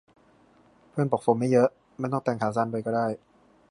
เพื่อนบอกโฟมไม่เยอะ ไม่ต้องแต่งขาสั้นไปก็ได้